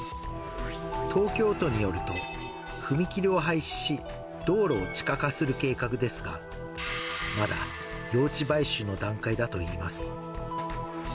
東京都によると踏切を廃止し、道路を地下化する計画ですが、まだ用地買収の段階だといいます。